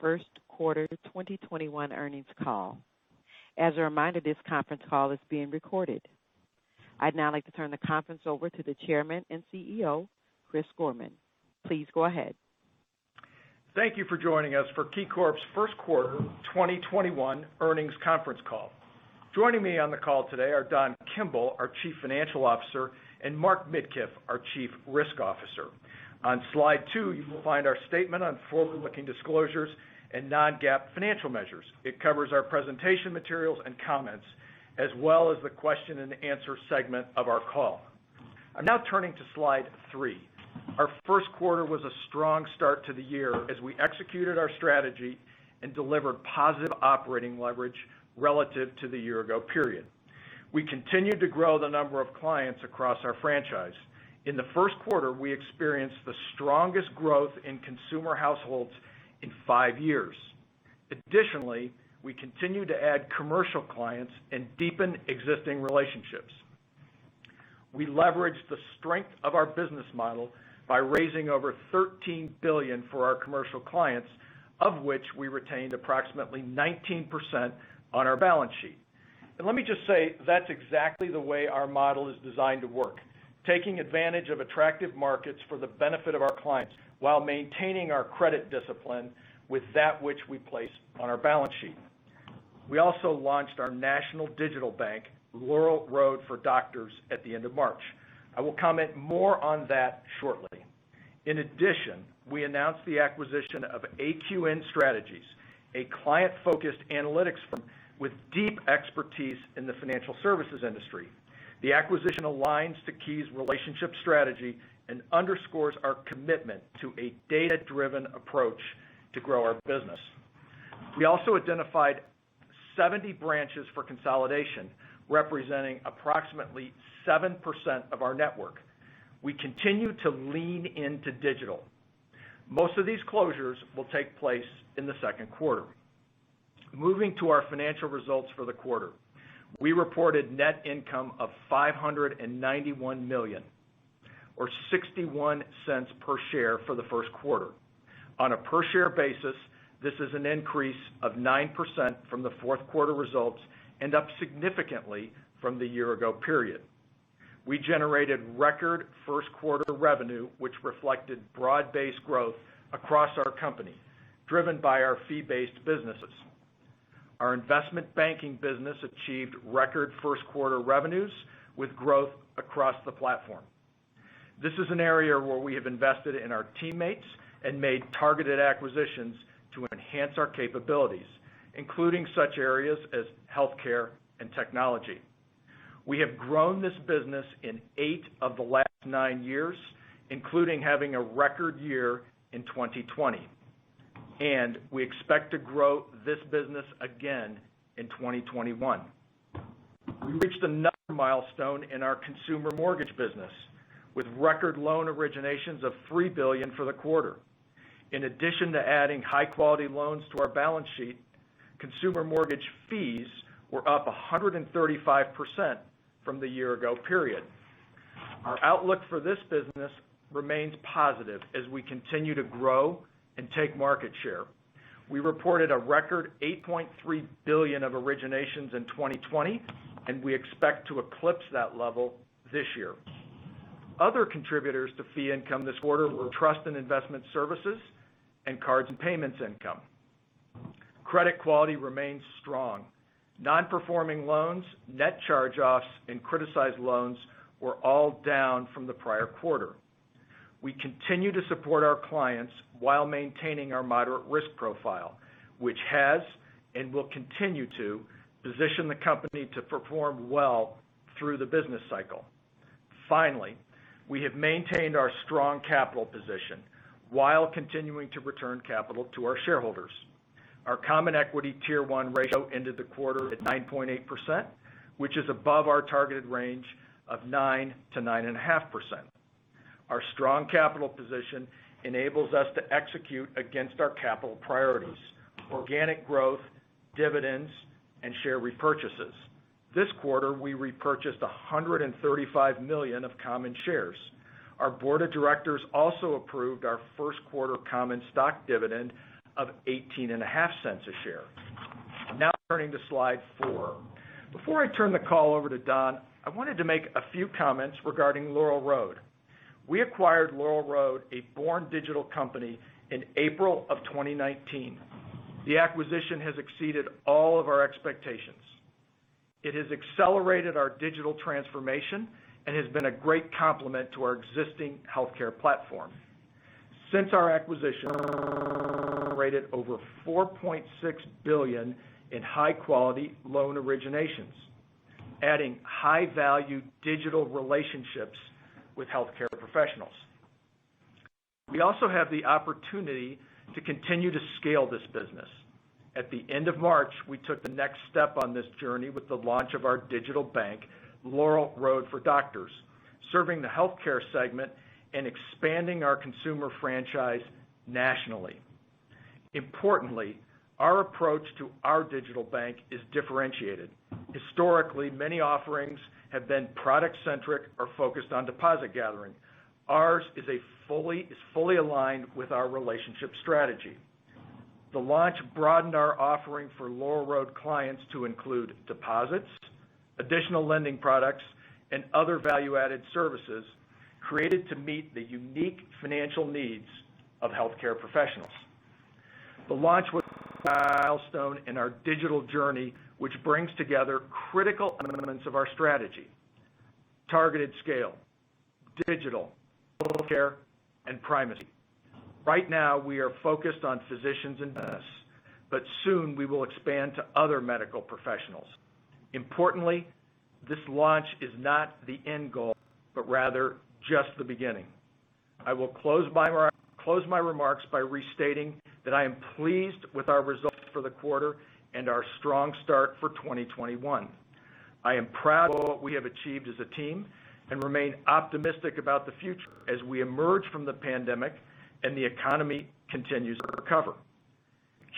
First quarter 2021 earnings call. As a reminder, this conference call is being recorded. I'd now like to turn the conference over to the Chairman and CEO, Chris Gorman. Please go ahead. Thank you for joining us for KeyCorp's first quarter 2021 earnings conference call. Joining me on the call today are Don Kimble, our Chief Financial Officer, and Mark Midkiff, our Chief Risk Officer. On slide two, you will find our statement on forward-looking disclosures and non-GAAP financial measures. It covers our presentation materials and comments, as well as the question and answer segment of our call. I'm now turning to slide three. Our first quarter was a strong start to the year as we executed our strategy and delivered positive operating leverage relative to the year ago period. We continued to grow the number of clients across our franchise. In the first quarter, we experienced the strongest growth in consumer households in five years. Additionally, we continued to add commercial clients and deepen existing relationships. We leveraged the strength of our business model by raising over $13 billion for our commercial clients, of which we retained approximately 19% on our balance sheet. Let me just say, that's exactly the way our model is designed to work, taking advantage of attractive markets for the benefit of our clients while maintaining our credit discipline with that which we place on our balance sheet. We also launched our national digital bank, Laurel Road for Doctors, at the end of March. I will comment more on that shortly. In addition, we announced the acquisition of AQN Strategies, a client-focused analytics firm with deep expertise in the financial services industry. The acquisition aligns with Key's relationship strategy and underscores our commitment to a data-driven approach to grow our business. We also identified 70 branches for consolidation, representing approximately 7% of our network. We continue to lean into digital. Most of these closures will take place in the second quarter. Moving to our financial results for the quarter. We reported net income of $591 million or $0.61 per share for the first quarter. On a per share basis, this is an increase of 9% from the fourth quarter results and up significantly from the year ago period. We generated record first quarter revenue, which reflected broad-based growth across our company, driven by our fee-based businesses. Our investment banking business achieved record first quarter revenues with growth across the platform. This is an area where we have invested in our teammates and made targeted acquisitions to enhance our capabilities, including such areas as healthcare and technology. We have grown this business in eight of the last nine years, including having a record year in 2020, and we expect to grow this business again in 2021. We reached another milestone in our consumer mortgage business with record loan originations of $3 billion for the quarter. In addition to adding high-quality loans to our balance sheet, consumer mortgage fees were up 135% from the year ago period. Our outlook for this business remains positive as we continue to grow and take market share. We reported a record $8.3 billion of originations in 2020. We expect to eclipse that level this year. Other contributors to fee income this quarter were trust and investment services and cards and payments income. Credit quality remains strong. Non-performing loans, net charge-offs, and criticized loans were all down from the prior quarter. We continue to support our clients while maintaining our moderate risk profile, which has and will continue to position the company to perform well through the business cycle. Finally, we have maintained our strong capital position while continuing to return capital to our shareholders. Our Common Equity Tier 1 ratio ended the quarter at 9.8%, which is above our targeted range of 9%-9.5%. Our strong capital position enables us to execute against our capital priorities: organic growth, dividends, and share repurchases. This quarter, we repurchased $135 million of common shares. Our board of directors also approved our first quarter common stock dividend of $0.185 a share. I'm now turning to slide four. Before I turn the call over to Don, I wanted to make a few comments regarding Laurel Road. We acquired Laurel Road, a born-digital company, in April of 2019. The acquisition has exceeded all of our expectations. It has accelerated our digital transformation and has been a great complement to our existing healthcare platform. Since our acquisition, we've generated over $4.6 billion in high-quality loan originations, adding high-value digital relationships with healthcare professionals. We also have the opportunity to continue to scale this business. At the end of March, we took the next step on this journey with the launch of our digital bank, Laurel Road for Doctors, serving the healthcare segment and expanding our consumer franchise nationally. Importantly. Our approach to our digital bank is differentiated. Historically, many offerings have been product-centric or focused on deposit gathering. Ours is fully aligned with our relationship strategy. The launch broadened our offering for Laurel Road clients to include deposits, additional lending products, and other value-added services created to meet the unique financial needs of healthcare professionals. The launch was a milestone in our digital journey, which brings together critical elements of our strategy, targeted scale, digital, healthcare, and primacy. Right now, we are focused on physicians and dentists, but soon we will expand to other medical professionals. Importantly, this launch is not the end goal, but rather just the beginning. I will close my remarks by restating that I am pleased with our results for the quarter and our strong start for 2021. I am proud of what we have achieved as a team and remain optimistic about the future as we emerge from the pandemic and the economy continues to recover.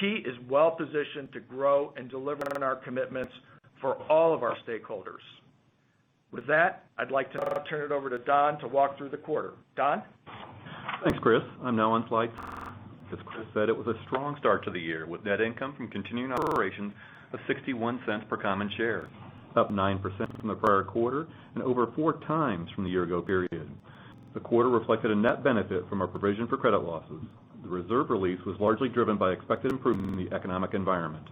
Key is well-positioned to grow and deliver on our commitments for all of our stakeholders. With that, I'd like to now turn it over to Don to walk through the quarter. Don? Thanks, Chris. I'm now on slide three. As Chris said, it was a strong start to the year with net income from continuing operations of $0.61 per common share. Up 9% from the prior quarter and over 4x from the year-ago period. The quarter reflected a net benefit from our provision for credit losses. The reserve release was largely driven by expected improvement in the economic environment.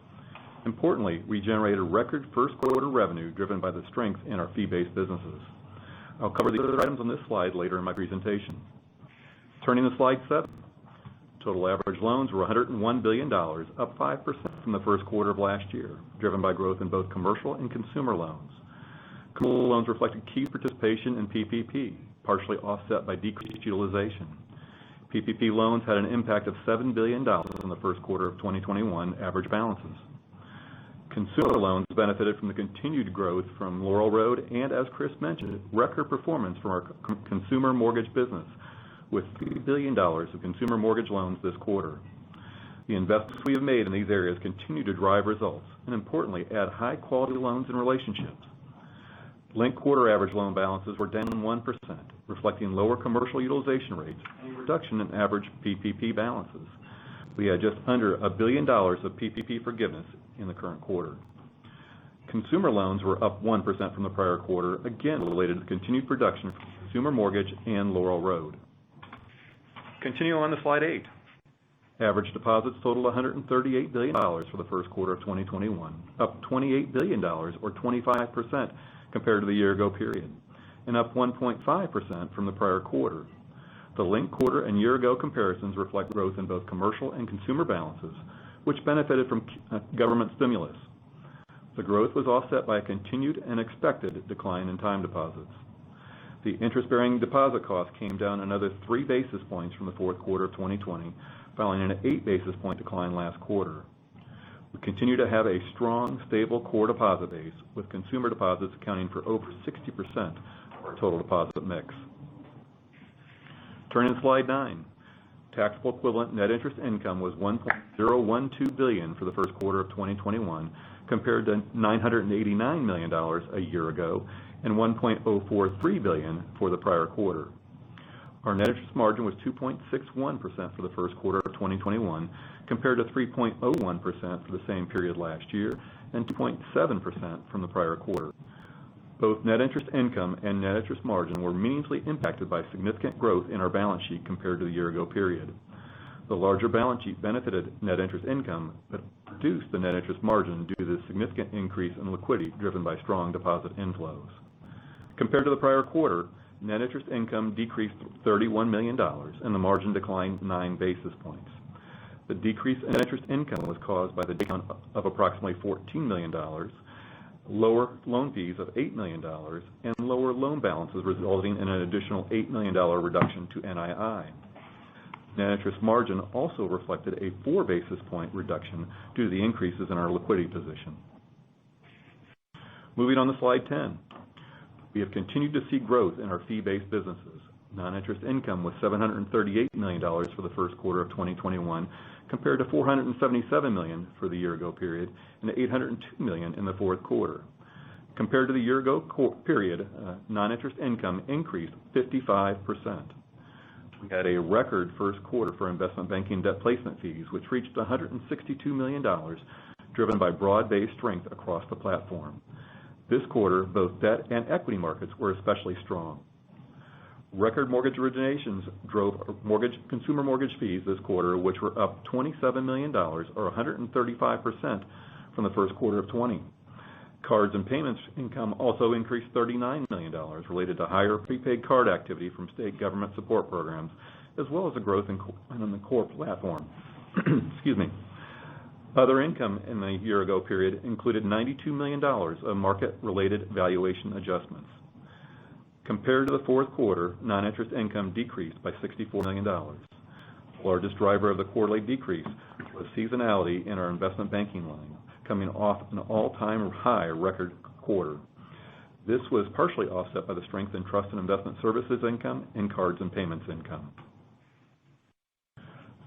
Importantly, we generated record first-quarter revenue driven by the strength in our fee-based businesses. I'll cover the other items on this slide later in my presentation. Turning to slide seven. Total average loans were $101 billion, up 5% from the first quarter of last year, driven by growth in both commercial and consumer loans. Commercial loans reflect a Key participation in PPP, partially offset by decreased utilization. PPP loans had an impact of $7 billion on the first quarter of 2021 average balances. Consumer loans benefited from the continued growth from Laurel Road and, as Chris mentioned, record performance from our consumer mortgage business with $3 billion of consumer mortgage loans this quarter. The investments we have made in these areas continue to drive results and, importantly, add high quality loans and relationships. Linked quarter average loan balances were down 1%, reflecting lower commercial utilization rates and a reduction in average PPP balances. We had just under $1 billion of PPP forgiveness in the current quarter. Consumer loans were up 1% from the prior quarter, again related to continued production from consumer mortgages and Laurel Road. Continue on to slide eight. Average deposits totaled $138 billion for the first quarter of 2021, up $28 billion, or 25%, compared to the year-ago period and up 1.5% from the prior quarter. The linked quarter- and year-ago comparisons reflect growth in both commercial and consumer balances, which benefited from government stimulus. The growth was offset by a continued and expected decline in time deposits. The interest-bearing deposit cost came down another three basis points from the fourth quarter of 2020, following an eight basis point decline last quarter. We continue to have a strong, stable core deposit base, with consumer deposits accounting for over 60% of our total deposit mix. Turning to slide nine. Taxable equivalent net interest income was $1.012 billion for the first quarter of 2021, compared to $989 million a year ago and $1.043 billion for the prior quarter. Our net interest margin was 2.61% for the first quarter of 2021, compared to 3.01% for the same period last year and 2.7% from the prior quarter. Both net interest income and net interest margin were meaningfully impacted by significant growth in our balance sheet compared to the year ago period. The larger balance sheet benefited net interest income but reduced the net interest margin due to the significant increase in liquidity driven by strong deposit inflows. Compared to the prior quarter, net interest income decreased $31 million, and the margin declined 9 basis points. The decrease in interest income was caused by the decline of approximately $14 million, lower loan fees of $8 million, and lower loan balances, resulting in an additional $8 million reduction to NII. Net interest margin also reflected a 4 basis point reduction due to the increases in our liquidity position. Moving on to slide 10. We have continued to see growth in our fee-based businesses. Non-interest income was $738 million for the first quarter of 2021, compared to $477 million for the year ago period and $802 million in the fourth quarter. Compared to the year ago period, non-interest income increased 55%. We had a record first quarter for investment banking debt placement fees, which reached $162 million, driven by broad-based strength across the platform. This quarter, both debt and equity markets were especially strong. Record mortgage originations drove consumer mortgage fees this quarter, which were up $27 million, or 135%, from the first quarter of 2020. Cards and payments income also increased $39 million related to higher prepaid card activity from state government support programs, as well as a growth in the core platform. Excuse me. Other income in the year-ago period included $92 million of market-related valuation adjustments. Compared to the fourth quarter, non-interest income decreased by $64 million. The largest driver of the quarterly decrease was seasonality in our investment banking line, coming off an all-time high record quarter. This was partially offset by the strength in trust and investment services income and cards and payments income.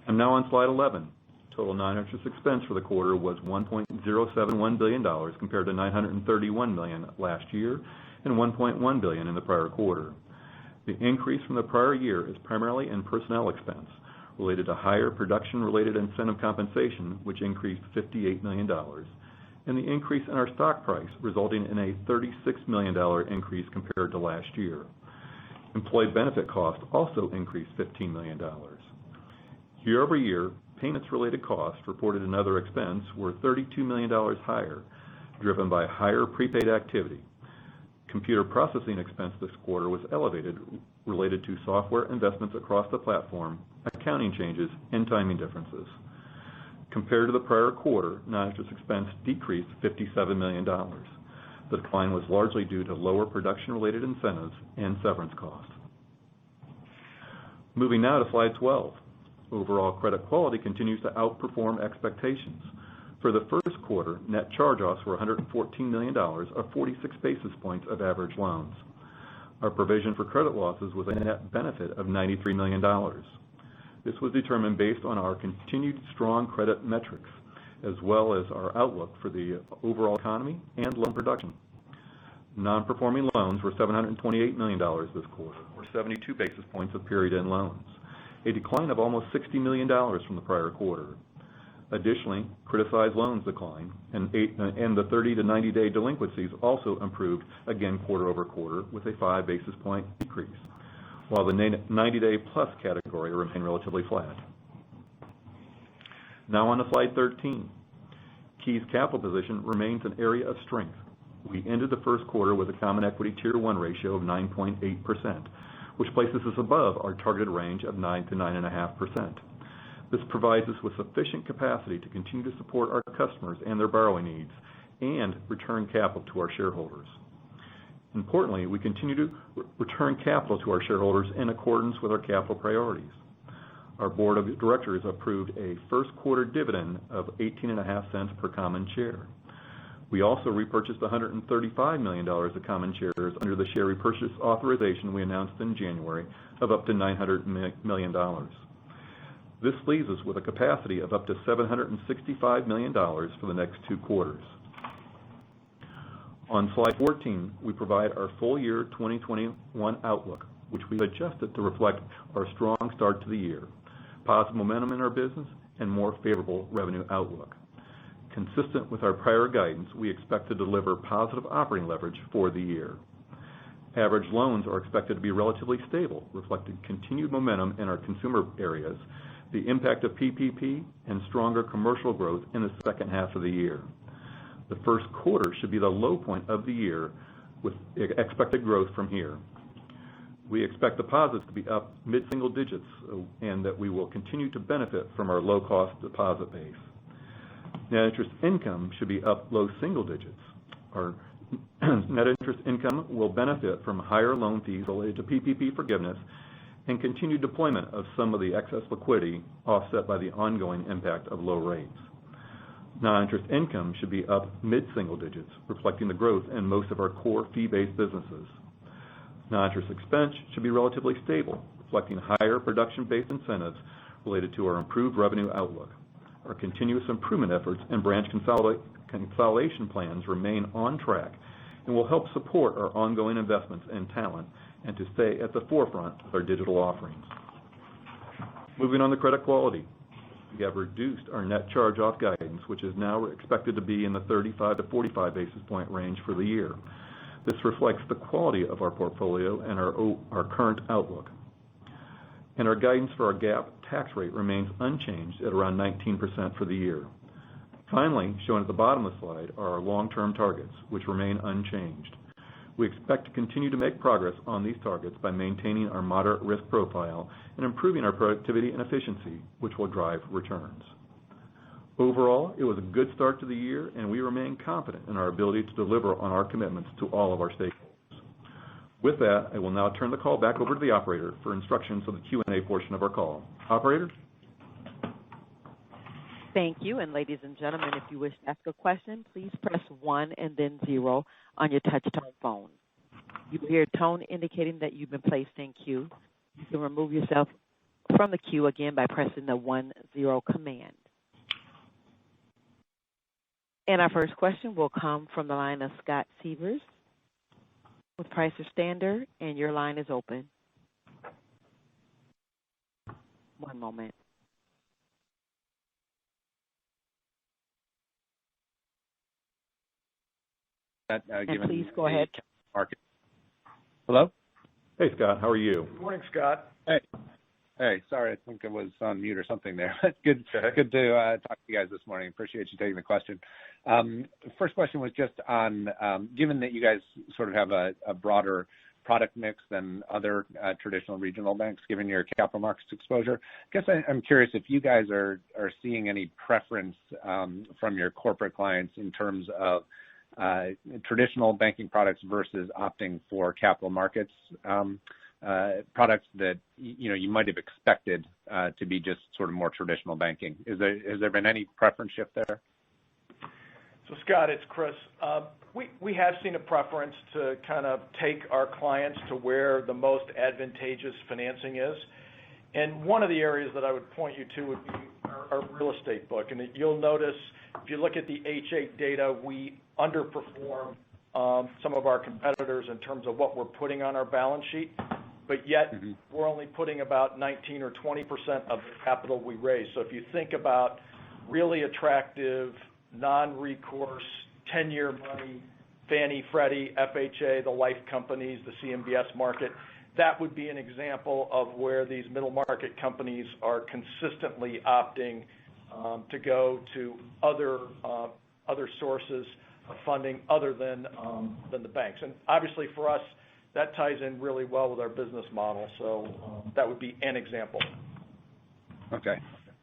Now on slide 11. Total non-interest expense for the quarter was $1.071 billion compared to $931 million last year and $1.1 billion in the prior quarter. The increase from the prior year is primarily in personnel expense related to higher production-related incentive compensation, which increased $58 million, and the increase in our stock price, resulting in a $36 million increase compared to last year. Employee benefit costs also increased $15 million. Year-over-year, payments-related costs reported in other expense were $32 million higher, driven by higher prepaid activity. Computer processing expense this quarter was elevated related to software investments across the platform, accounting changes, and timing differences. Compared to the prior quarter, non-interest expense decreased $57 million. The decline was largely due to lower production-related incentives and severance costs. Moving now to slide 12. Overall credit quality continues to outperform expectations. For the first quarter, net charge-offs were $114 million, or 46 basis points of average loans. Our provision for credit losses was a net benefit of $93 million. This was determined based on our continued strong credit metrics, as well as our outlook for the overall economy and loan production. Non-performing loans were $728 million this quarter, or 72 basis points of period-end loans, a decline of almost $60 million from the prior quarter. Additionally, criticized loans declined, and the 30-90-day delinquencies also improved again quarter-over-quarter with a 5-basis-point decrease, while the 90-day+ category remained relatively flat. Now on to slide 13. KeyCorp's capital position remains an area of strength. We ended the first quarter with a Common Equity Tier 1 ratio of 9.8%, which places us above our target range of 9%-9.5%. This provides us with sufficient capacity to continue to support our customers and their borrowing needs and return capital to our shareholders. Importantly, we continue to return capital to our shareholders in accordance with our capital priorities. Our board of directors approved a first quarter dividend of $0.185 per common share. We also repurchased $135 million of common shares under the share repurchase authorization we announced in January of up to $900 million. This leaves us with a capacity of up to $765 million for the next two quarters. On slide 14, we provide our full year 2021 outlook, which we adjusted to reflect our strong start to the year, positive momentum in our business, and more favorable revenue outlook. Consistent with our prior guidance, we expect to deliver positive operating leverage for the year. Average loans are expected to be relatively stable, reflecting continued momentum in our consumer areas, the impact of PPP, and stronger commercial growth in the second half of the year. The first quarter should be the low point of the year with expected growth from here. We expect deposits to be up mid-single digits and that we will continue to benefit from our low-cost deposit base. Net interest income should be up low single digits. Our net interest income will benefit from higher loan fees related to PPP forgiveness and continued deployment of some of the excess liquidity, offset by the ongoing impact of low rates. Non-interest income should be up mid-single digits, reflecting the growth in most of our core fee-based businesses. Non-interest expense should be relatively stable, reflecting higher production-based incentives related to our improved revenue outlook. Our continuous improvement efforts and branch consolidation plans remain on track and will help support our ongoing investments in talent and staying at the forefront of our digital offerings. Moving on to credit quality. We have reduced our net charge-off guidance, which is now expected to be in the 35-45-basis point range for the year. This reflects the quality of our portfolio and our current outlook. Our guidance for our GAAP tax rate remains unchanged at around 19% for the year. Finally, shown at the bottom of the slide are our long-term targets, which remain unchanged. We expect to continue to make progress on these targets by maintaining our moderate risk profile and improving our productivity and efficiency, which will drive returns. Overall, it was a good start to the year, and we remain confident in our ability to deliver on our commitments to all of our stakeholders. With that, I will now turn the call back over to the operator for instructions on the Q&A portion of our call. Operator? Thank you. Ladies and gentlemen, if you wish to ask a question, please press one and then zero on your touch-tone phone. You will hear a tone indicating that you've been placed in a queue. You can remove yourself from the queue again by pressing the one-zero command. Our first question will come from the line of Scott Siefers with Piper Sandler. Your line is open. One moment. And given- Please go ahead. Hello? Hey, Scott. How are you? Good morning, Scott. Hey. Sorry, I think I was on mute or something there. Good to talk to you guys this morning. Appreciate you taking the question. First question was just on, given that you guys sort of have a broader product mix than other traditional regional banks, given your capital markets exposure, I guess I'm curious if you guys are seeing any preference from your corporate clients in terms of traditional banking products versus opting for capital markets products that you might have expected to be just sort of more traditional banking. Has there been any preference shift there? Scott, it's Chris. We have seen a preference to kind of take our clients to where the most advantageous financing is. One of the areas that I would point you to would be our real estate book. You'll notice, if you look at the H8 data, we underperform some of our competitors in terms of what we're putting on our balance sheet. Yet we're only putting about 19% or 20% of the capital we raise. If you think about really attractive non-recourse, 10-year money; Fannie; Freddie; FHA; the life companies; and the CMBS market, that would be an example of where these middle-market companies are consistently opting to go to other sources of funding other than the banks. Obviously for us, that ties in really well with our business model. That would be an example. Okay,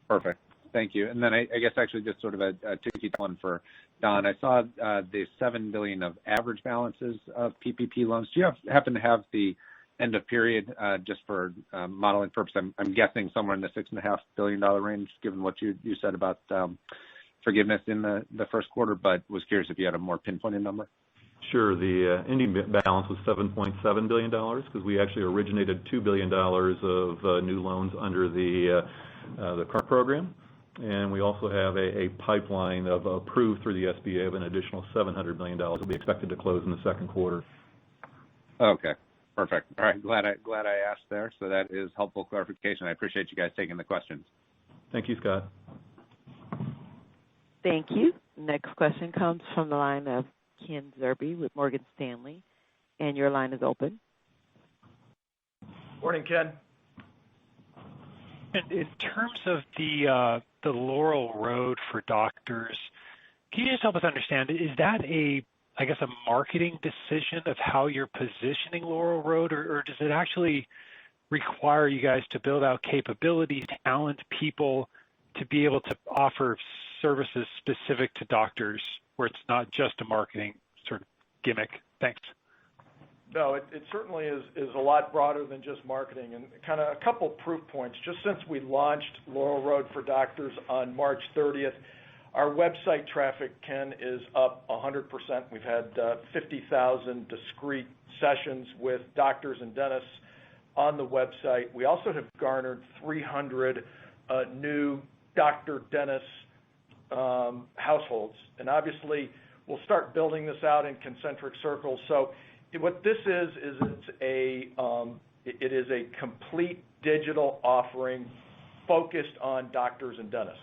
perfect. Thank you. Then I guess it's actually just sort of a two-part one for Don. I saw the $7 billion of average balances of PPP loans. Do you happen to have the end of the period just for modeling purposes? I'm guessing somewhere in the $6.5 billion range, given what you said about forgiveness in the first quarter. Was curious if you had a more pinpointed number. Sure. The ending balance was $7.7 billion because we actually originated $2 billion of new loans under the current program. We also have a pipeline of approved funds through the SBA of an additional $700 million that will be expected to close in the second quarter. Okay, perfect. All right. Glad I asked there. That is helpful clarification. I appreciate you guys taking the questions. Thank you, Scott. Thank you. Next question comes from the line of Ken Zerbe with Morgan Stanley. Your line is open. Morning, Ken. In terms of Laurel Road for Doctors, can you just help us understand, is that a marketing decision of how you're positioning Laurel Road, or does it actually require you guys to build out capability, talent, and people to be able to offer services specific to doctors where it's not just a marketing sort of gimmick? Thanks. No, it certainly is a lot broader than just marketing and kind of a couple proof points. Just since we launched Laurel Road for Doctors on March 30th, our website traffic, Ken, is up 100%. We've had 50,000 discrete sessions with doctors and dentists on the website. Obviously we'll start building this out in concentric circles. What this is is a complete digital offering focused on doctors and dentists.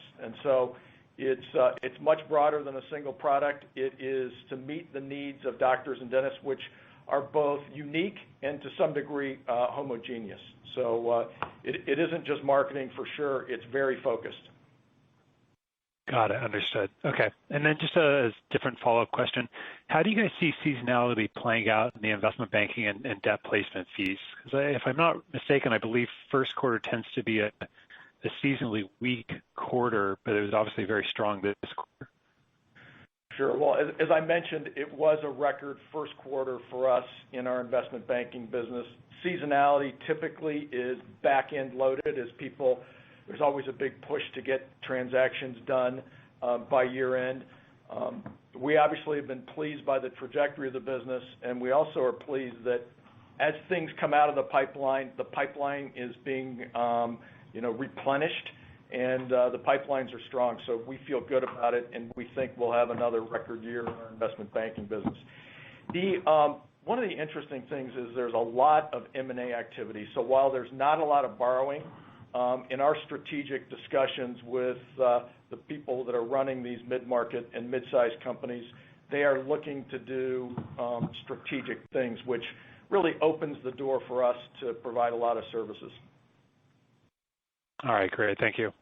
It's much broader than a single product. It is to meet the needs of doctors and dentists, which are both unique and to some degree homogeneous. It isn't just marketing for sure. It's very focused. Got it. Understood. Okay. Then just a different follow-up question. How do you guys see seasonality playing out in the investment banking and debt placement fees? If I'm not mistaken, I believe first quarter tends to be a seasonally weak quarter, but it was obviously very strong this quarter. Sure. Well, as I mentioned, it was a record first quarter for us in our investment banking business. Seasonality typically is back-end loaded, as there's always a big push to get transactions done by year-end. We obviously have been pleased by the trajectory of the business, and we also are pleased that as things come out of the pipeline, the pipeline is being replenished and the pipelines are strong. We feel good about it, and we think we'll have another record year in our investment banking business. One of the interesting things is there's a lot of M&A activity. While there's not a lot of borrowing in our strategic discussions with the people that are running these mid-market and mid-size companies, they are looking to do strategic things, which really opens the door for us to provide a lot of services. All right, great. Thank you.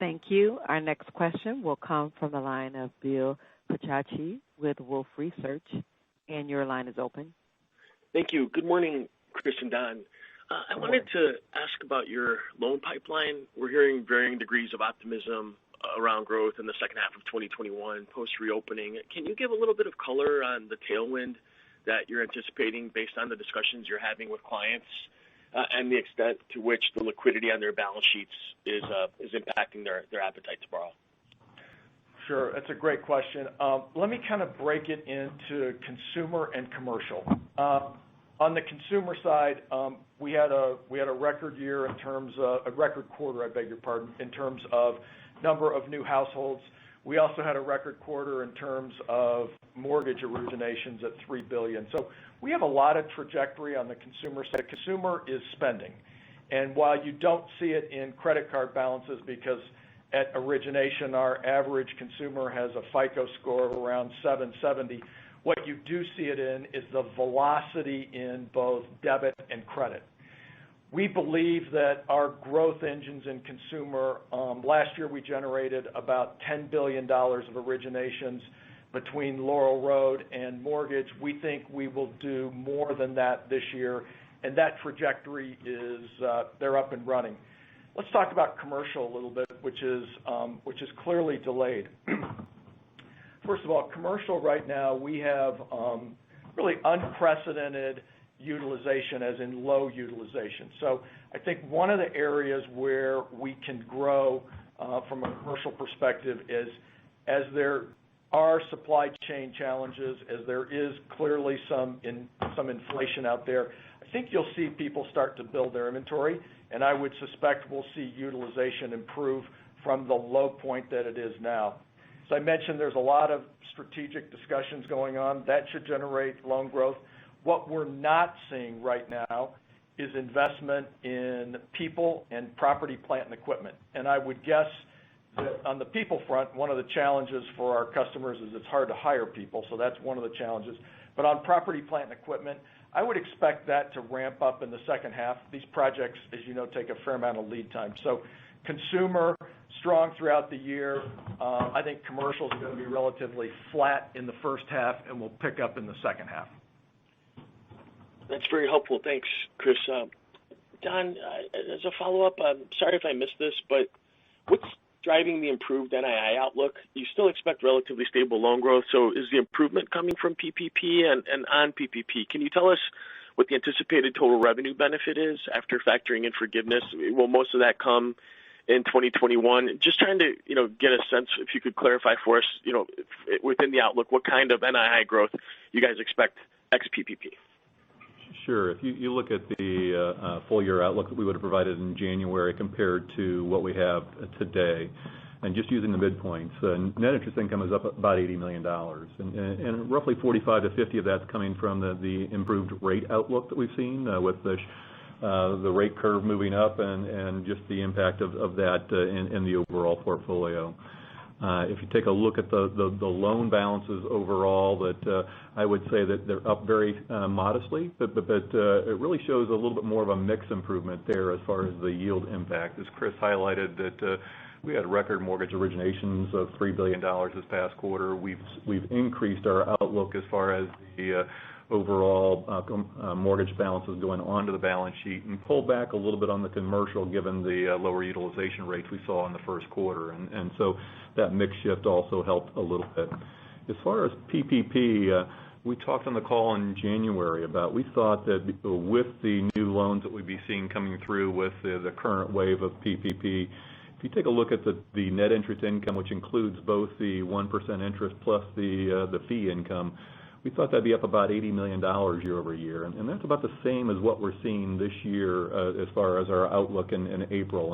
Thank you. Our next question will come from the line of Bill Carcache with Wolfe Research. Your line is open. Thank you. Good morning, Chris and Don. I wanted to ask about your loan pipeline. We're hearing varying degrees of optimism around growth in the second half of 2021 post reopening. Can you give a little bit of color on the tailwind that you're anticipating based on the discussions you're having with clients and the extent to which the liquidity on their balance sheets is impacting their appetite to borrow? Sure. That's a great question. Let me kind of break it into consumer and commercial. On the consumer side, we had a record quarter in terms of the number of new households. We also had a record quarter in terms of mortgage originations at $3 billion. We have a lot of trajectory on the consumer side. Consumer is spending. While you don't see it in credit card balances because at origination, our average consumer has a FICO score of around 770. What you do see it in is the velocity in both debit and credit. We believe that our growth engines in consumer-- last year we generated about $10 billion of originations between Laurel Road and mortgage. We think we will do more than that this year. That trajectory is they're up and running. Let's talk about the commercial a little bit, which is clearly delayed. First of all, commercially right now, we have really unprecedented utilization, as in low utilization. I think one of the areas where we can grow from a commercial perspective is as there are supply chain challenges and as there is clearly some inflation out there, I think you'll see people start to build their inventory. I would suspect we'll see utilization improve from the low point that it is now. As I mentioned, there are a lot of strategic discussions going on. That should generate loan growth. What we're not seeing right now is investment in people and property, plant, and equipment. I would guess that on the people front, one of the challenges for our customers is it's hard to hire people. That's one of the challenges. On property, plant, and equipment, I would expect that to ramp up in the second half. These projects, as you know, take a fair amount of lead time. Consumer, strong throughout the year. I think commercial is going to be relatively flat in the first half and will pick up in the second half. That's very helpful. Thanks, Chris. Don, as a follow-up, sorry if I missed this, but what's driving the improved NII outlook? You still expect relatively stable loan growth, so is the improvement coming from PPP or on PPP? Can you tell us what the anticipated total revenue benefit is after factoring in forgiveness? Will most of that come in 2021? Just trying to get a sense; if you could clarify for us, within the outlook, what kind of NII growth you guys expect ex-PPP. Sure. If you look at the full-year outlook that we would've provided in January compared to what we have today, just using the midpoints, net interest income is up about $80 million. Roughly $45 million-$50 million of that's coming from the improved rate outlook that we've seen with the rate curve moving up and just the impact of that in the overall portfolio. If you take a look at the loan balances overall, I would say that they're up very modestly. It really shows a little bit more of a mix improvement there as far as the yield impact. As Chris highlighted, we had record mortgage originations of $3 billion this past quarter. We've increased our outlook as far as the overall mortgage balances going onto the balance sheet and pulled back a little bit on the commercial given the lower utilization rates we saw in the first quarter. That mix shift also helped a little bit. As far as PPP, we talked on the call in January about how we thought that with the new loans that we'd be seeing coming through with the current wave of PPP. If you take a look at the net interest income, which includes both the 1% interest plus the fee income, we thought that'd be up about $80 million year-over-year. That's about the same as what we're seeing this year as far as our outlook in April.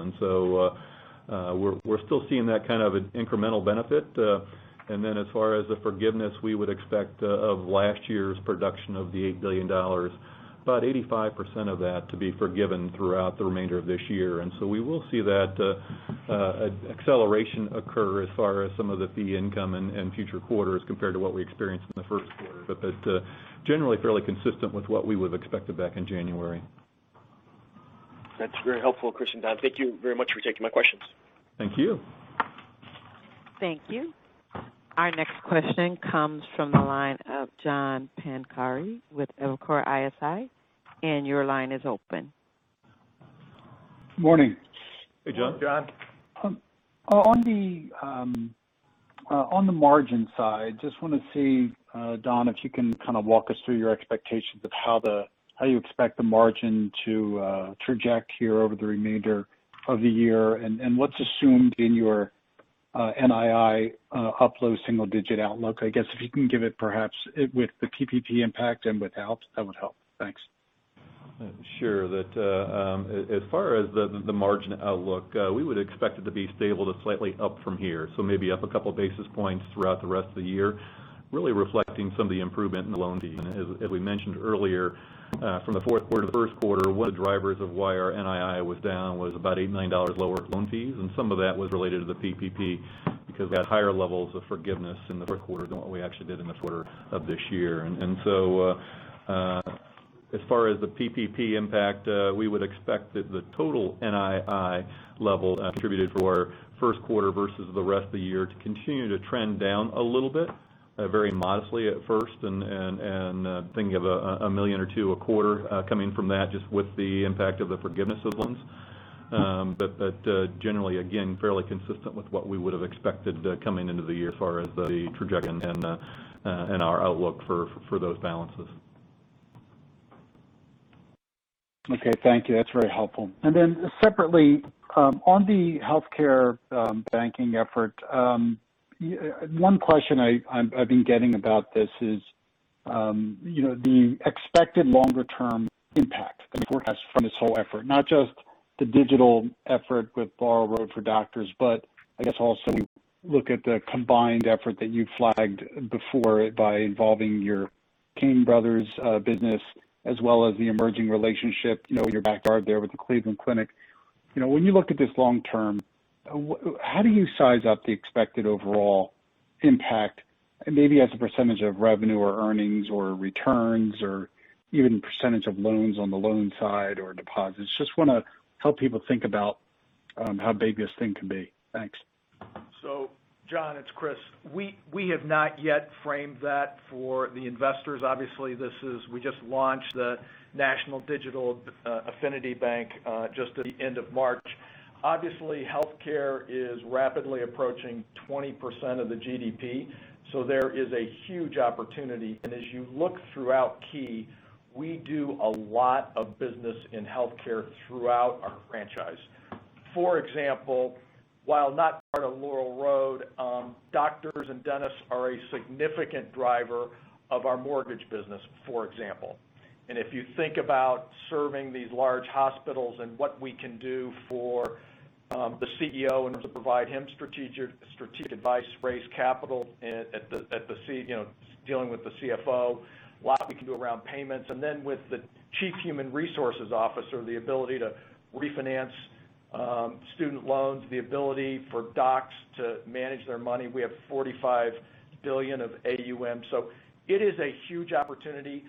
We're still seeing that kind of an incremental benefit. As far as the forgiveness, we would expect, of last year's production of $8 billion, about 85% of that to be forgiven throughout the remainder of this year. We will see that acceleration occur as far as some of the fee income in future quarters compared to what we experienced in the first quarter. Generally fairly consistent with what we would've expected back in January. That's very helpful, Chris and Don. Thank you very much for taking my questions. Thank you. Thank you. Our next question comes from the line of John Pancari with Evercore ISI. Your line is open. Morning. Hey, John. John. On the margin side, I just want to see, Don, if you can kind of walk us through your expectations of how you expect the margin to traject here over the remainder of the year and what's assumed in your NII low single-digit outlook. I guess if you can give it perhaps with the PPP impact and without, that would help. Thanks. Sure. As far as the margin outlook, we would expect it to be stable to slightly up from here. Maybe up a couple basis points throughout the rest of the year, really reflecting some of the improvement in the loan fees. As we mentioned earlier, from the fourth quarter to the first quarter, one of the drivers of why our NII was down was about $8 million lower in loan fees, and some of that was related to the PPP because we had higher levels of forgiveness in the fourth quarter than we actually did in the quarter of this year. As far as the PPP impact, we would expect that the total NII level contributed for the first quarter versus the rest of the year to continue to trend down a little bit, very modestly at first. Thinking of $1 million or two a quarter coming from that just with the impact of the forgiveness of loans. Generally, again, fairly consistent with what we would've expected coming into the year as far as the trajectory and our outlook for those balances. Okay, thank you. That's very helpful. Then separately, on the healthcare banking effort, one question I've been getting about this is the expected longer-term impact and forecast from this whole effort. Not just the digital effort with Laurel Road for Doctors, but I guess also you look at the combined effort that you flagged before by involving your Cain Brothers business as well as the emerging relationship in your backyard there with the Cleveland Clinic. When you look at this long term, how do you size up the expected overall impact, maybe as a percentage of revenue or earnings or returns or even a percentage of loans on the loan side or deposits? Just want to help people think about how big this thing can be. Thanks. John, it's Chris. We have not yet framed that for the investors. Obviously, we just launched the national digital affinity bank just at the end of March. Obviously, healthcare is rapidly approaching 20% of the GDP; there is a huge opportunity. As you look throughout Key, we do a lot of business in healthcare throughout our franchises. For example, while not part of Laurel Road, doctors and dentists are a significant driver of our mortgage business, for example. If you think about serving these large hospitals and what we can do for the CEO in order to provide him strategic advice, raise capital, and deal with the CFO, a lot we can do around payments. With the chief human resources officer, the ability to refinance student loans and the ability for docs to manage their money. We have $45 billion of AUM. It is a huge opportunity.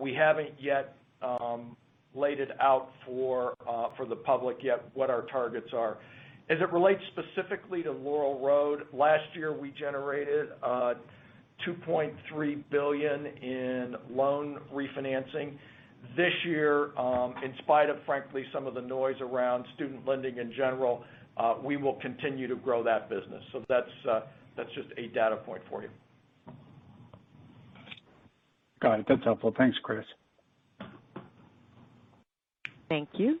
We haven't yet laid it out for the public yet what our targets are. As it relates specifically to Laurel Road, last year, we generated $2.3 billion in loan refinancing. This year, in spite of, frankly, some of the noise around student lending in general, we will continue to grow that business. That's just a data point for you. Got it. That's helpful. Thanks, Chris. Thank you.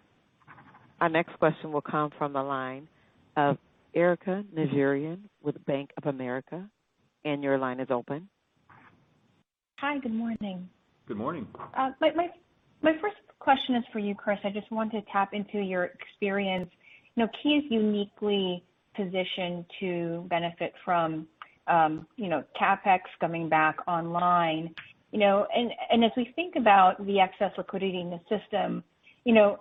Our next question will come from the line of Erika Najarian with Bank of America. Your line is open. Hi. Good morning. Good morning. My first question is for you, Chris. I just want to tap into your experience. Key is uniquely positioned to benefit from CapEx coming back online. As we think about the excess liquidity in the system,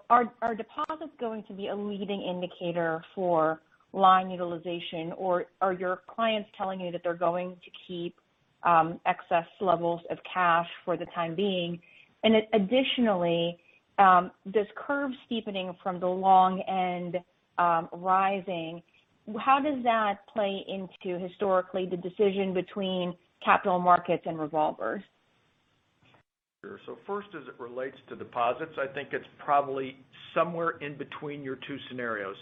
are deposits going to be a leading indicator for line utilization, or are your clients telling you that they're going to keep excess levels of cash for the time being? Additionally, this curve steepening from the long end rising, how does that play into, historically, the decision between capital markets and revolvers? Sure. First, as it relates to deposits, I think it's probably somewhere in between your two scenarios.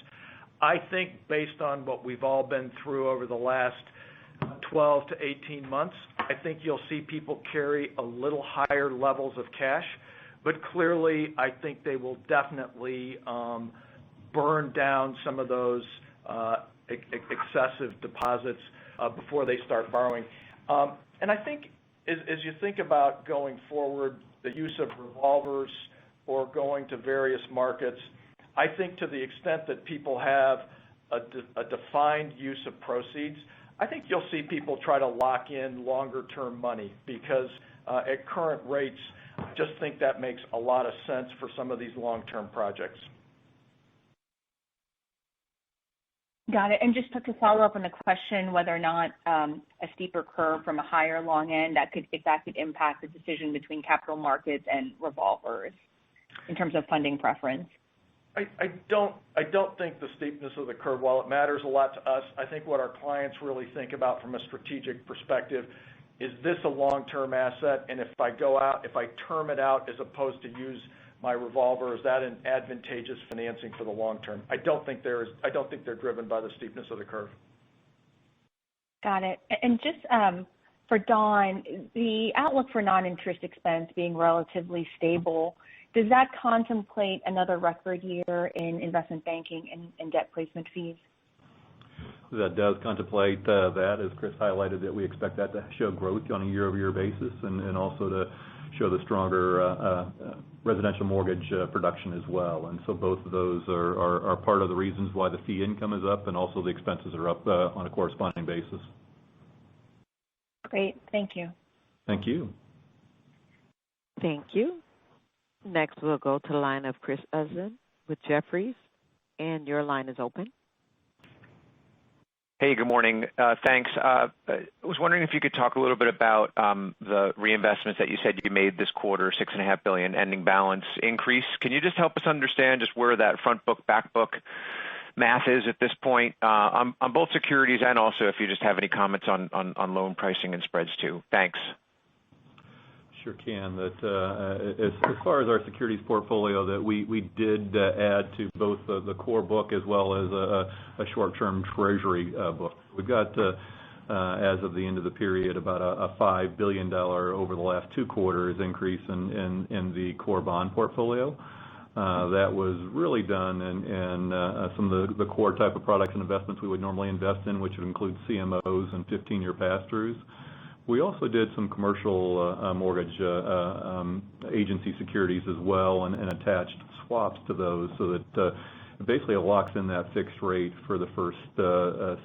Clearly, I think they will definitely burn down some of those excessive deposits before they start borrowing. I think as you think about going forward, the use of revolvers or going to various markets, I think to the extent that people have a defined use of proceeds, you'll see people try to lock in longer-term money because at current rates, I just think that makes a lot of sense for some of these long-term projects. Got it. Just to follow up on the question of whether or not a steeper curve from a higher long end could impact the decision between capital markets and revolvers in terms of funding preference. I don't think the steepness of the curve, while it matters a lot to us, is what our clients really think about from a strategic perspective. They think, Is this a long-term asset? And if I term it out as opposed to use my revolver, is that advantageous financing for the long term? I don't think they're driven by the steepness of the curve. Got it. Just for Don, the outlook for non-interest expense being relatively stable—does that contemplate another record year in investment banking and debt placement fees? That does contemplate that. As Chris highlighted, that we expect that to show growth on a year-over-year basis and also to show the stronger residential mortgage production as well. Both of those are part of the reasons why the fee income is up and also the expenses are up on a corresponding basis. Great. Thank you. Thank you. Thank you. Next, we'll go to the line of Ken Usdin with Jefferies. Your line is open. Hey, good morning. Thanks. I was wondering if you could talk a little bit about the reinvestments that you said you made this quarter, a $6.5 billion ending balance increase. Can you just help us understand just where that front book/back book math is at this point on both securities, and also, do you just have any comments on loan pricing and spreads too? Thanks. Sure, Ken. As far as our securities portfolio, we did add to both the core book and a short-term treasury book. We've got as of the end of the period, about a $5 billion over the last two quarters increase in the core bond portfolio. That was really done in some of the core types of products and investments we would normally invest in, which would include CMOs and 15-year pass-throughs. We also did some commercial mortgage agency securities as well and attached swaps to those so that basically it locks in that fixed rate for the first,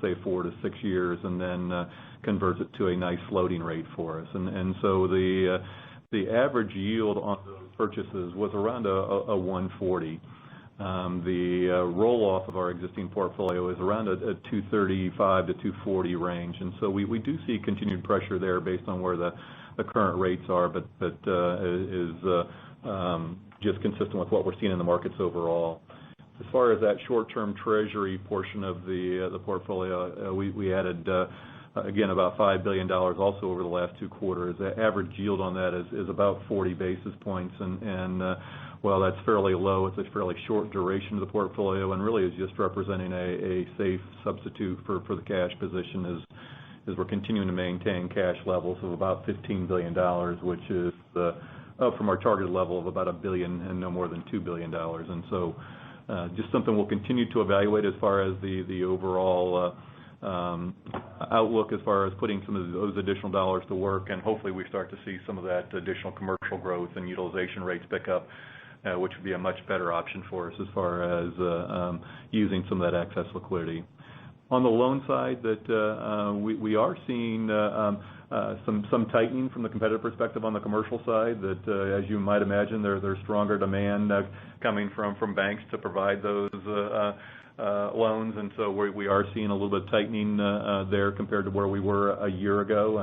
say, four to six years and then converts it to a nice floating rate for us. The average yield on those purchases was around 140 basis points. The roll-off of our existing portfolio is around a 235-240 basis point range. We do see continued pressure there based on where the current rates are. That is just consistent with what we're seeing in the markets overall. As far as that short-term treasury portion of the portfolio, we added again about $5 billion also over the last two quarters. The average yield on that is about 40 basis points. While that's fairly low, it's a fairly short duration of the portfolio and really is just representing a safe substitute for the cash position as we're continuing to maintain cash levels of about $15 billion, which is up from our target level of about $1 billion and no more than $2 billion. Just something we'll continue to evaluate as far as the overall outlook as far as putting some of those additional dollars to work. Hopefully we start to see some of that additional commercial growth and utilization rates pick up, which would be a much better option for us as far as using some of that excess liquidity. On the loan side, we are seeing some tightening from the competitive perspective on the commercial side, so, as you might imagine, there's stronger demand coming from banks to provide those loans. We are seeing a little bit of tightening there compared to where we were a year ago.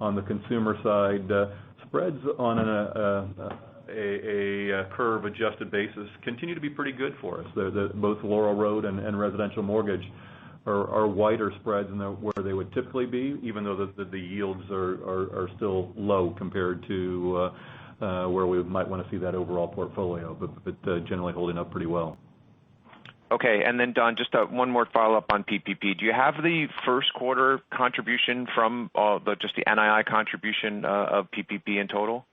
On the consumer side, spreads on a curve-adjusted basis continue to be pretty good for us. Both Laurel Road and Residential Mortgage are wider spreads than where they would typically be, even though the yields are still low compared to where we might want to see that overall portfolio. Generally holding up pretty well. Okay. Don, just one more follow-up on PPP. Do you have the first quarter contribution from just the NII contribution of PPP in total?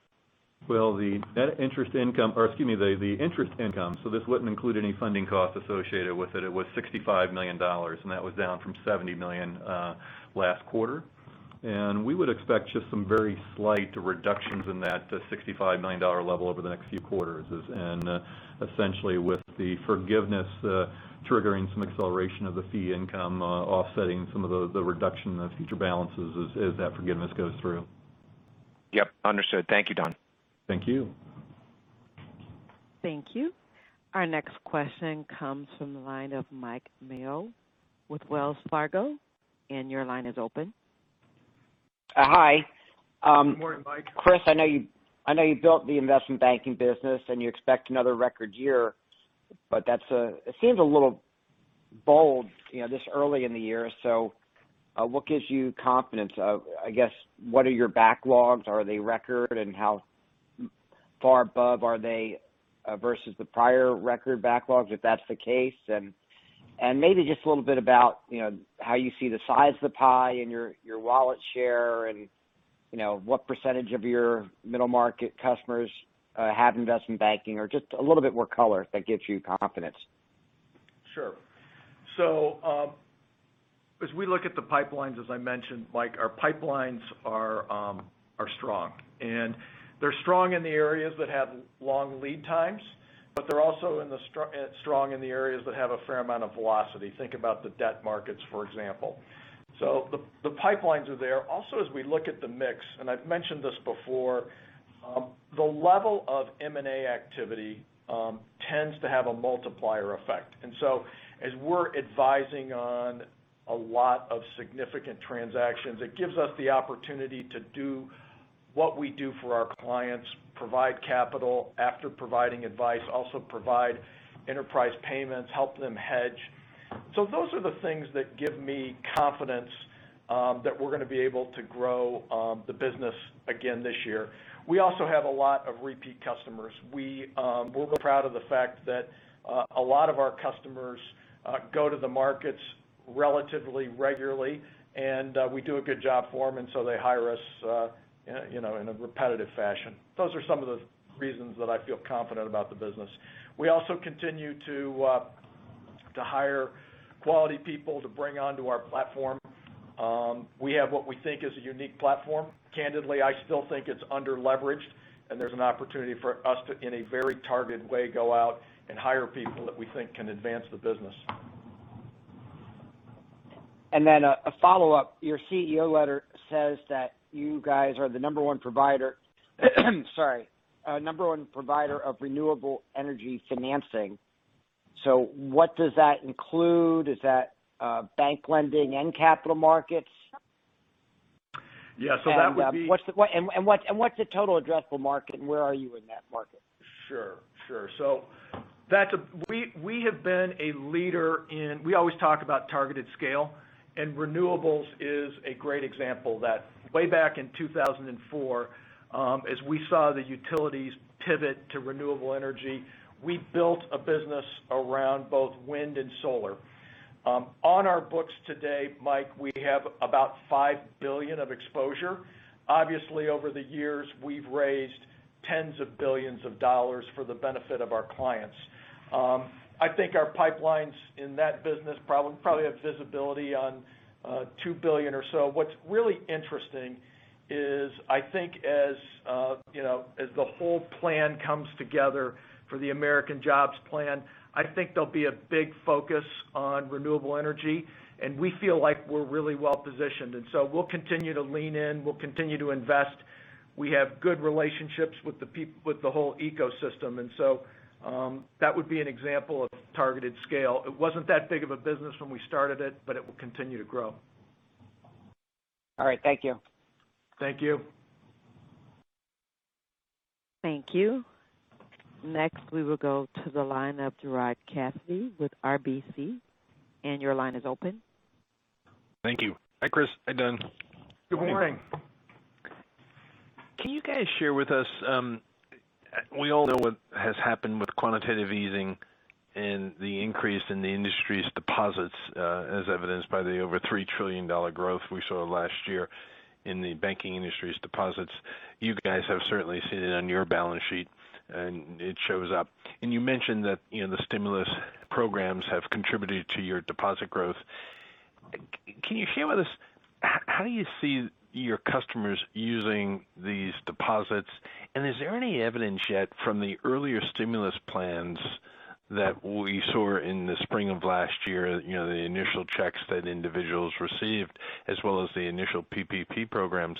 Well, the net interest income, or excuse me, the interest income, so this wouldn't include any funding costs associated with it was $65 million, and that was down from $70 million last quarter. We would expect just some very slight reductions in that $65 million level over the next few quarters. Essentially, the forgiveness triggers some acceleration of the fee income, offsetting some of the reduction of future balances as that forgiveness goes through. Yep. Understood. Thank you, Don. Thank you. Thank you. Our next question comes from the line of Mike Mayo with Wells Fargo. Your line is open. Hi. Good morning, Mike. Chris, I know you built the investment banking business and you expect another record year, but it seems a little bold this early in the year. What gives you confidence of, I guess, what are your backlogs? Are they recorded? How far above are they versus the prior record backlogs if that's the case? Maybe just a little bit about how you see the size of the pie and your wallet share and what percentage of your middle-market customers have investment banking or just a little bit more color that gives you confidence. Sure. As we look at the pipelines, as I mentioned, Mike, our pipelines are strong, and they're strong in the areas that have long lead times, but they're also strong in the areas that have a fair amount of velocity. Think about the debt markets, for example. The pipelines are there. Also, as we look at the mix, and I've mentioned this before, the level of M&A activity tends to have a multiplier effect. As we're advising on a lot of significant transactions, it gives us the opportunity to do what we do for our clients: provide capital after providing advice, also provide enterprise payments, and help them hedge. Those are the things that give me confidence that we're going to be able to grow the business again this year. We also have a lot of repeat customers. We're proud of the fact that a lot of our customers go to the markets relatively regularly, and we do a good job for them, and so they hire us in a repetitive fashion. Those are some of the reasons that I feel confident about the business. We also continue to hire quality people to bring onto our platform. We have what we think is a unique platform. Candidly, I still think it's under-leveraged, and there's an opportunity for us to, in a very targeted way, go out and hire people that we think can advance the business. A follow-up. Your CEO letter says that you guys are the number one provider of renewable energy financing. What does that include? Is that bank lending and capital markets? Yeah, so that would be... What's the total addressable market, and where are you in that market? Sure. We always talk about targeted scale. Renewables is a great example: way back in 2004, as we saw the utilities pivot to renewable energy, we built a business around both wind and solar. On our books today, Mike, we have about $5 billion of exposure. Obviously, over the years, we've raised tens of billions of dollars for the benefit of our clients. I think our pipelines in that business probably have visibility on $2 billion or so. What's really interesting is I think as the whole plan comes together for the American Jobs Plan, I think there'll be a big focus on renewable energy, and we feel like we're really well-positioned. We'll continue to lean in. We'll continue to invest. We have good relationships with the whole ecosystem. That would be an example of targeted scale. It wasn't that big of a business when we started it, but it will continue to grow. All right. Thank you. Thank you. Thank you. Next we will go to the line of Gerard Cassidy with RBC; your line is open. Thank you. Hi, Chris. Hi, Don. Good morning. Can you guys share with us, we all know what has happened with quantitative easing and the increase in the industry's deposits, as evidenced by the over $3 trillion growth we saw last year in the banking industry's deposits. You guys have certainly seen it on your balance sheet, and it shows up. You mentioned that the stimulus programs have contributed to your deposit growth. Can you share with us how you see your customers using these deposits? Is there any evidence yet from the earlier stimulus plans that we saw in the spring of last year, the initial checks that individuals received as well as the initial PPP programs,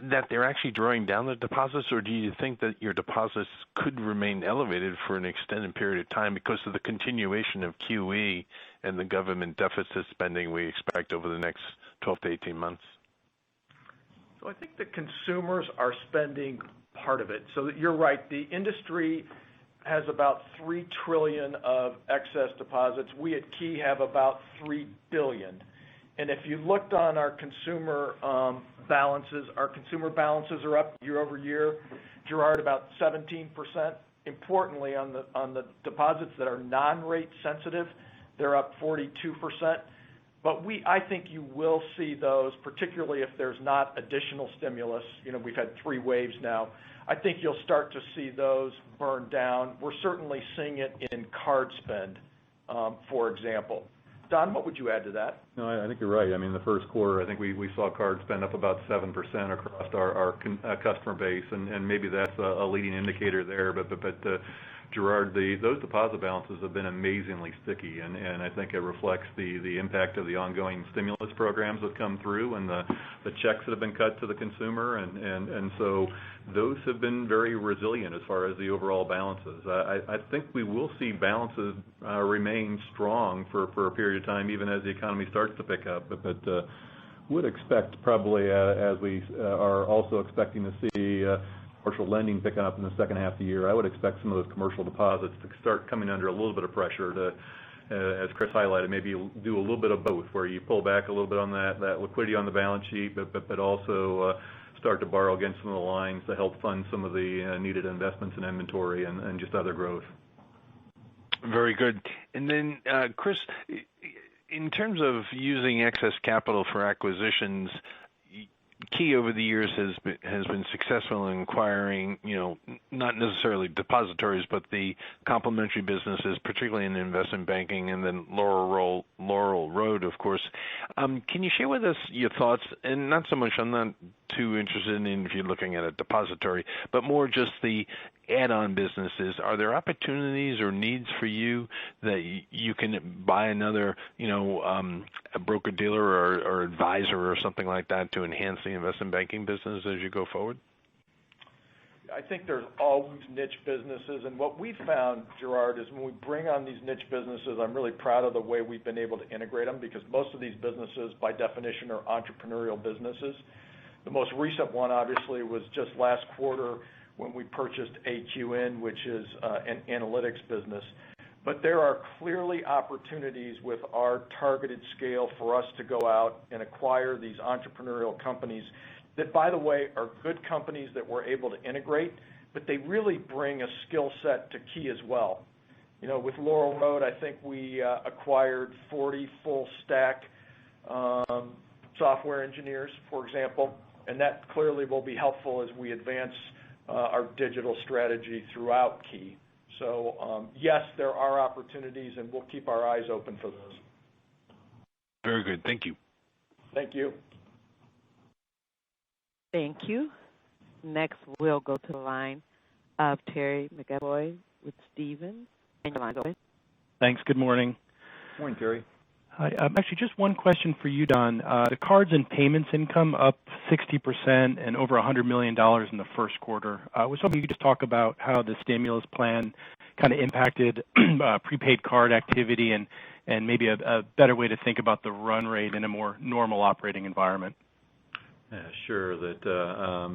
that they're actually drawing down the deposits? Do you think that your deposits could remain elevated for an extended period of time because of the continuation of QE and the government deficit spending we expect over the next 12-18 months? I think the consumers are spending part of it. You're right, the industry has about $3 trillion of excess deposits. We at Key have about $3 billion. If you looked at our consumer balances, our consumer balances are up year-over-year, Gerard, about 17%. Importantly, on the deposits that are non-rate sensitive, they're up 42%. I think you will see those, particularly if there's no additional stimulus. We've had three waves now. I think you'll start to see those burn down. We're certainly seeing it in card spend, for example. Don, what would you add to that? No, I think you're right. I mean, in the first quarter, I think we saw card spend up about 7% across our customer base; maybe that's a leading indicator there. Gerard, those deposit balances have been amazingly sticky, and I think it reflects the impact of the ongoing stimulus programs that come through and the checks that have been cut to the consumer. Those have been very resilient as far as the overall balances. I think we will see balances remain strong for a period of time, even as the economy starts to pick up. Would expect probably, as we are also expecting to see commercial lending picking up in the second half of the year. I would expect some of those commercial deposits to start coming under a little bit of pressure to, as Chris highlighted, maybe do a little bit of both, where you pull back a little bit on that liquidity on the balance sheet but also start to borrow against some of the lines to help fund some of the needed investments in inventory and just other growth. Very good. Then, Chris, in terms of using excess capital for acquisitions, KeyCorp over the years has been successful in acquiring not necessarily depositories but the complementary businesses, particularly in the investment banking and then Laurel Road, of course. Can you share with us your thoughts? Not so much. I'm not too interested in if you're looking at a depository but more just the add-on businesses. Are there opportunities or needs for you to buy another broker-dealer or advisor or something like that to enhance the investment banking business as you go forward? I think there are always niche businesses. What we've found, Gerard, is when we bring on these niche businesses, I'm really proud of the way we've been able to integrate them, because most of these businesses, by definition, are entrepreneurial businesses. The most recent one, obviously, was just last quarter when we purchased AQN, which is an analytics business. There are clearly opportunities with our targeted scale for us to go out and acquire these entrepreneurial companies that, by the way, are good companies that we're able to integrate, but they really bring a skill set to Key as well. With Laurel Road, I think we acquired 40 full-stack software engineers, for example, and that clearly will be helpful as we advance our digital strategy throughout Key. Yes, there are opportunities, and we'll keep our eyes open for those. Very good. Thank you. Thank you. Thank you. Next, we'll go to the line of Terry McEvoy with Stephens. Your line's open. Thanks. Good morning. Morning, Terry. Hi. Actually, just one question for you, Don. The cards and payments income is up 60% and over $100 million in the first quarter. I was hoping you could just talk about how the stimulus plan kind of impacted prepaid card activity and maybe a better way to think about the run rate in a more normal operating environment? Yeah. Sure.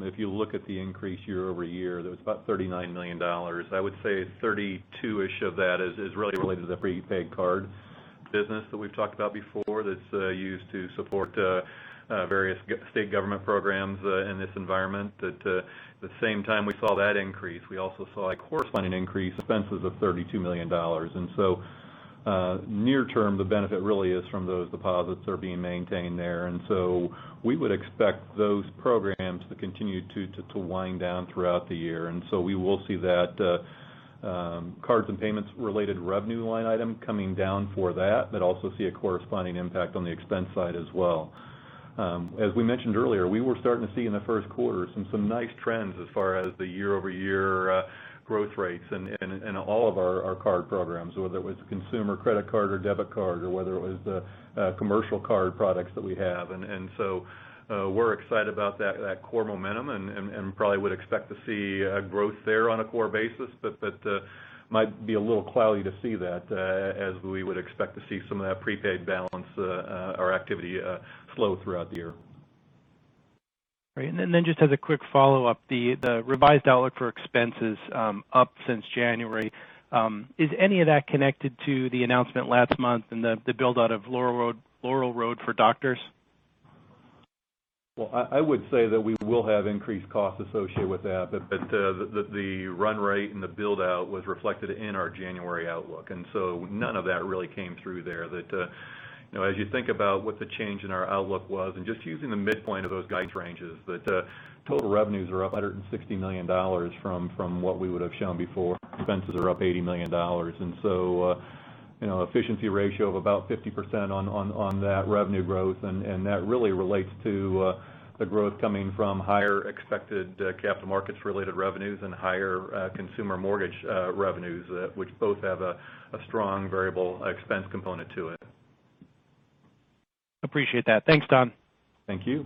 If you look at the increase year-over-year, that was about $39 million. I would say 32-ish of that is really related to the prepaid card business that we've talked about before that's used to support various state government programs in this environment. At the same time we saw that increase, we also saw a corresponding increase in expenses of $32 million. Near term, the benefit really is from those deposits that are being maintained there. We would expect those programs to continue to wind down throughout the year. We will see that cards and payments-related revenue line item coming down for that, but also see a corresponding impact on the expense side as well. As we mentioned earlier, we were starting to see in the first quarter some nice trends as far as the year-over-year growth rates in all of our card programs, whether it was consumer credit card or debit card or whether it was the commercial card products that we have. We're excited about that core momentum and probably would expect to see growth there on a core basis. That might be a little cloudy to see that, as we would expect to see some of that prepaid balance or activity slow throughout the year. Great. Just as a quick follow-up, the revised outlook for expenses is up since January. Is any of that connected to the announcement last month and the build-out of Laurel Road for Doctors? I would say that we will have increased costs associated with that, but the run rate and the build-out were reflected in our January outlook. None of that really came through there. That as you think about what the change in our outlook was, and just using the midpoint of those guidance ranges, that total revenues are up $160 million from what we would have shown before. Expenses are up $80 million. Efficiency ratio of about 50% on that revenue growth, and that really relates to the growth coming from higher expected capital markets-related revenues and higher consumer mortgage revenues, both of which have a strong variable expense component to it. Appreciate that. Thanks, Don. Thank you.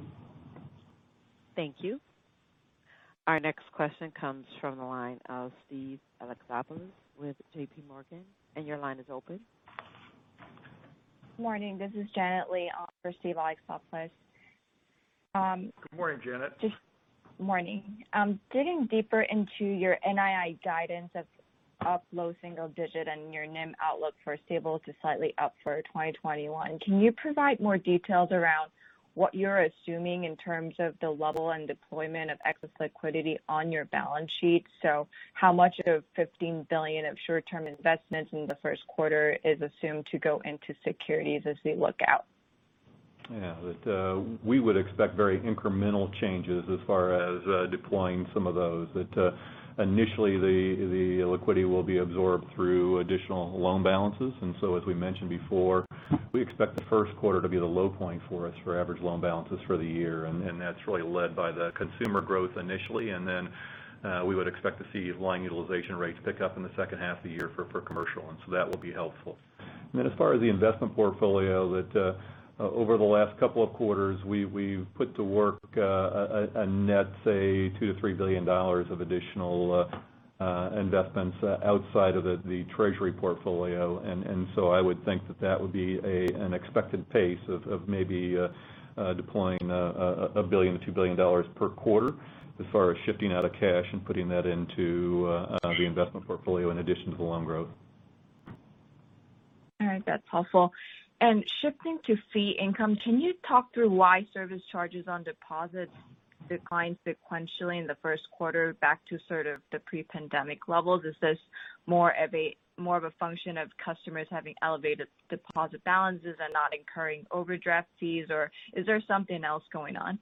Thank you. Our next question comes from the line of Steven Alexopoulos with JPMorgan; your line is open. Morning, this is Janet Lee for Steven Alexopoulos. Good morning, Janet. Morning. Digging deeper into your NII guidance of low single digits and your NIM outlook for stable to slightly up for 2021, can you provide more details around what you're assuming in terms of the level and deployment of excess liquidity on your balance sheet? How much of $15 billion of short-term investments in the first quarter is assumed to go into securities as we look out? Yeah. We would expect very incremental changes as far as deploying some of those. That initially the liquidity will be absorbed through additional loan balances. As we mentioned before, we expect the first quarter to be the low point for us for average loan balances for the year. That's really led by the consumer growth initially, and then we would expect to see line utilization rates pick up in the second half of the year for commercial, and so that will be helpful. As far as the investment portfolio, over the last couple of quarters, we've put to work a net, say, $2 billion-$3 billion of additional investments outside of the treasury portfolio. I would think that that would be an expected pace of maybe deploying $1 billion-$2 billion per quarter as far as shifting out of cash and putting that into the investment portfolio in addition to the loan growth. All right. That's helpful. Shifting to fee income, can you talk through why service charges on deposits declined sequentially in the first quarter back to sort of the pre-pandemic levels? Is this more of a function of customers having elevated deposit balances and not incurring overdraft fees, or is there something else going on?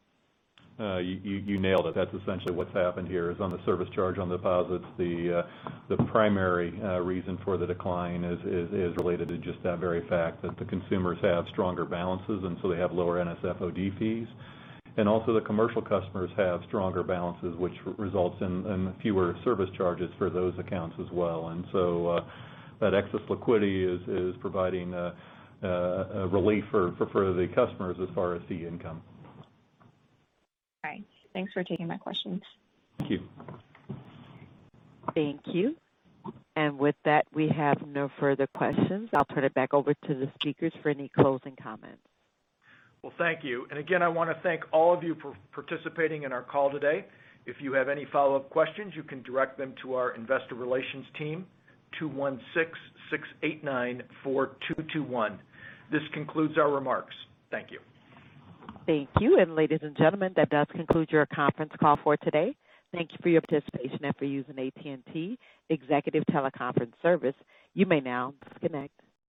You nailed it. That's essentially what's happened here is on the service charge on deposits; the primary reason for the decline is related to just that very fact that the consumers have stronger balances. They have lower NSF OD fees. Also the commercial customers have stronger balances, which results in fewer service charges for those accounts as well. That excess liquidity is providing relief for the customers as far as fee income. All right. Thanks for taking my questions. Thank you. Thank you. With that, we have no further questions. I'll turn it back over to the speakers for any closing comments. Well, thank you. Again, I want to thank all of you for participating in our call today. If you have any follow-up questions, you can direct them to our investor relations team, 216-689-4221. This concludes our remarks. Thank you. Thank you. Ladies and gentlemen, that does conclude your conference call for today. Thank you for your participation and for using AT&T Executive Teleconference Service. You may now disconnect.